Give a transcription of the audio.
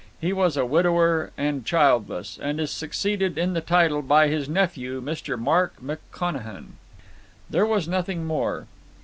He was a widower and childless, and is succeeded in the title by his nephew, Mr. Mark McConachan." There was nothing more.